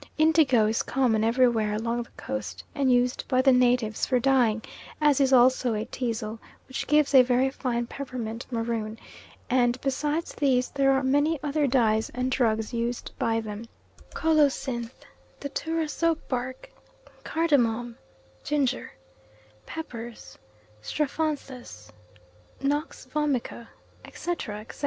Indigo is common everywhere along the Coast and used by the natives for dyeing, as is also a teazle, which gives a very fine permanent maroon; and besides these there are many other dyes and drugs used by them colocynth, datura soap bark, cardamom, ginger, peppers, strophanthus, nux vomica, etc., etc.